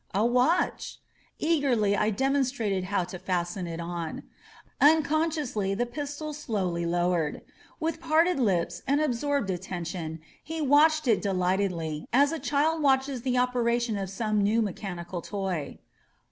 "A watch !" Eagerly I demonstrated how to fasten it on. Unconsciously the pistols slowly lowered. With 162 SAVED BY A WRIST WATCH parted lips and absorbed attention he watched it de lightedly, as a child watches the operation of some new mechanical toy.